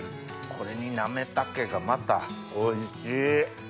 これになめたけがまたおいしい！